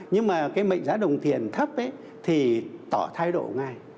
nhưng mà cái mệnh giá đồng tiền thấp ấy thì tỏ thái độ ngay